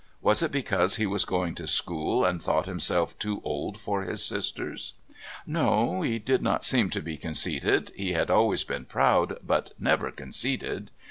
Was it because he was going to school, and thought himself too old for his sisters? No, he did not seem to be conceited he had always been proud, but never conceited.